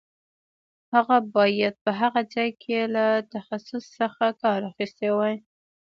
هغه باید په هغه ځای کې له تخصص څخه کار اخیستی وای.